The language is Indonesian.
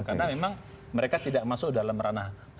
karena memang mereka tidak masuk dalam ranah